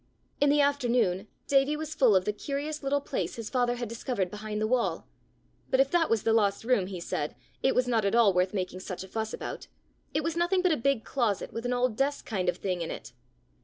In the afternoon, Davie was full of the curious little place his father had discovered behind the wall; but, if that was the lost room, he said, it was not at all worth making such a fuss about: it was nothing but a big closet, with an old desk kind of thing in it!